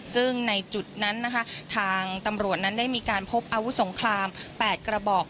ซึ่งในจุดนั้นนะคะทางตำรวจนั้นได้มีการพบอาวุธสงคราม๘กระบอก